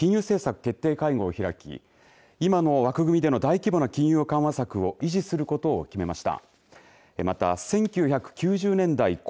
日銀は植田総裁のもとで初めてとなる金融政策決定会合を開き今の枠組みでの大規模な金融緩和策を維持することを決めました。